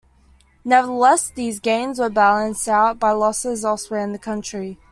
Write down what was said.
Nevertheless, these gains were balanced out by losses elsewhere in the country.